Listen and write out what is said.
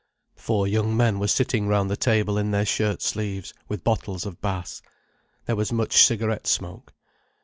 Four young men were sitting round the table in their shirt sleeves, with bottles of Bass. There was much cigarette smoke.